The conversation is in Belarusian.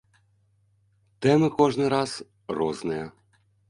Тэмы кожны раз розныя.